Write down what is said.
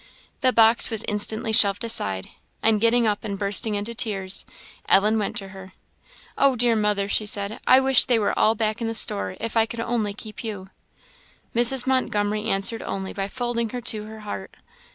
The box was instantly shoved aside, and getting up and bursting into tears, Ellen went to her. "Oh, dear mother," she said, "I wish they were all back in the store, if I could only keep you!" Mrs. Montgomery answered only by folding her to her heart.